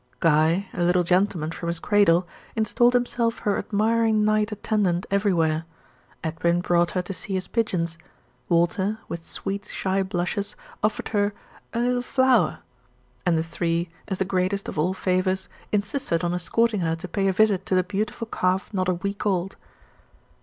Guy, a little gentleman from his cradle, installed himself her admiring knight attendant everywhere: Edwin brought her to see his pigeons; Walter, with sweet, shy blushes, offered her "a 'ittle f'ower!" and the three, as the greatest of all favours, insisted on escorting her to pay a visit to the beautiful calf not a week old.